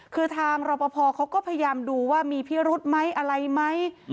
คือทางรอปภเขาก็พยายามดูว่ามีพิรุธไหมอะไรไหม